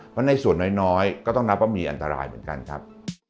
เพราะในส่วนน้อยก็ต้องนับว่ามีอันตรายเหมือนกันครับ